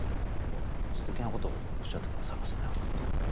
すてきなことをおっしゃって下さいますね本当。